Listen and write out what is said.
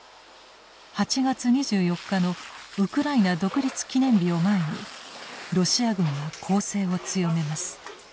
８月２４日のウクライナ独立記念日を前にロシア軍は攻勢を強めます。